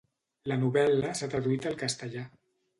La novel·la s'ha traduït al castellà.